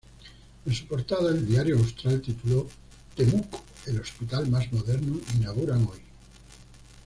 En su portada, El Diario Austral tituló: "Temuco: El Hospital Más Moderno Inauguran Hoy".